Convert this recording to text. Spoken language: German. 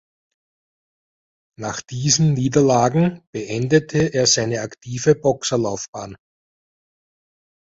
Nach diesen Niederlagen beendete er seine aktive Boxerlaufbahn.